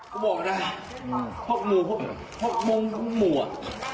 กูบอกนะพบมูกพบมูกพบมูกพบมูกพบมูกพบมูก